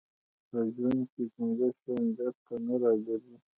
په ژوند کې پنځه شیان بېرته نه راګرځي.